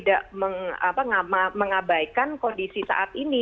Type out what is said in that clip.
dan tentunya kita tidak mengabaikan kondisi saat ini